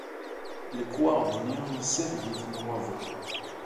Lekwaɣeḍ-nni yessafeg-iten waḍu.